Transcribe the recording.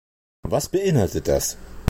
Was beinhaltet das?